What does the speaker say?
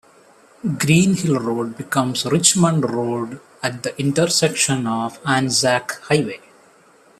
Greenhill Road becomes Richmond Road at the intersection of Anzac Highway.